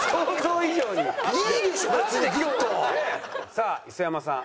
さあ磯山さん。